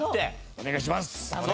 お願いします！